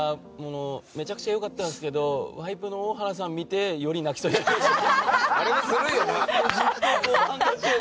めちゃくちゃ良かったんですけどワイプの大原さんを見てより泣きそうになりました。